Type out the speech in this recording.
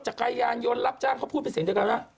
จักรยานยนต์รับจ้างเขาพูดเป็นเสียงเดียวกันว่า